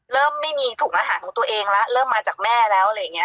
เริ่มไม่มีถุงอาหารของตัวเองแล้วเริ่มมาจากแม่แล้วอะไรอย่างนี้